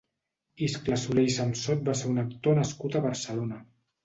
Iscle Soler i Samsot va ser un actor nascut a Barcelona.